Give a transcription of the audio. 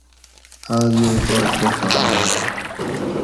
آۤس مئی پا کۤہ خاۤر ہوگ